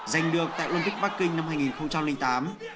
giành được tại olympic bắc kinh năm hai nghìn tám